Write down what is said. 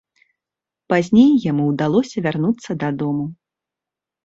Пазней яму ўдалося вярнуцца дадому.